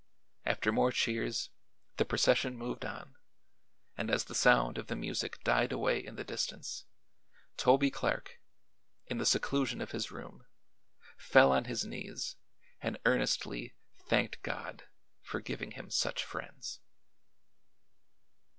After more cheers the procession moved on and as the sound of the music died away in the distance, Toby Clark, in the seclusion of his room, fell on his knees and earnestly thanked God for giving him such friends.